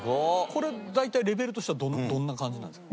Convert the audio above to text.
これ大体レベルとしてはどんな感じなんですか？